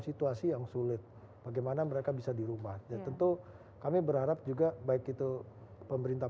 situasi yang sulit bagaimana mereka bisa di rumah ya tentu kami berharap juga baik itu pemerintah